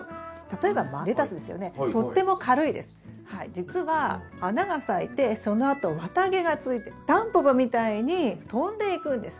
じつは花が咲いてそのあと綿毛がついてタンポポみたいに飛んでいくんです。